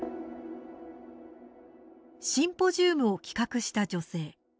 シンポジウムを企画した女性。